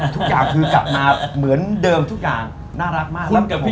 ทุกอย่างคือกลับมาเหมือนเดิมทุกอย่างน่ารักมากแล้วผมก็ไม่ดื้อ